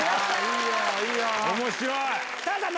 面白い！